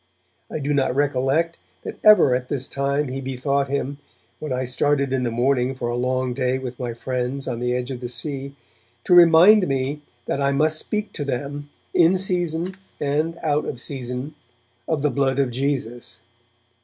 I do not recollect that ever at this time he bethought him, when I started in the morning for a long day with my friends on the edge of the sea, to remind me that I must speak to them, in season and out of season, of the Blood of Jesus.